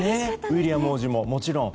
ウィリアム王子ももちろん。